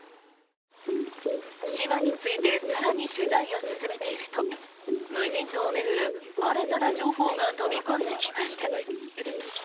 島について更に取材を進めていると無人島を巡る新たな情報が飛び込んできました。